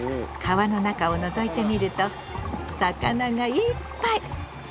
川の中をのぞいてみると魚がいっぱい！